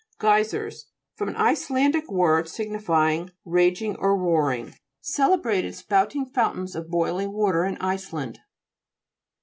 GEY'SERS From an Icelandic word signifying raging or roaring. Cele 222 GLOSSARY. GEOLOGY. brated spouting fountains of boiling water in Iceland (p.